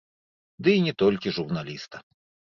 Дый не толькі журналіста.